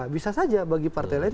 bisa saja bagi partai lain